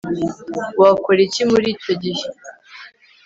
Wakora iki muricyo gihe